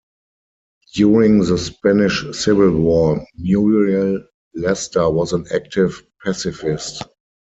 During the Spanish Civil War Muriel Lester was an active pacifist.